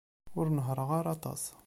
Ur nehhṛeɣ ara aṭas.